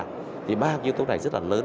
thì ba yếu tố này rất là lớn